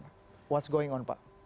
apa yang berlaku pak